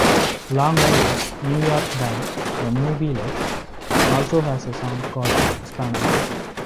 Long Island, New York band The Movielife also has a song called "Spanaway".